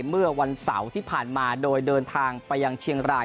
เมื่อวันเสาร์ที่ผ่านมาโดยเดินทางไปยังเชียงราย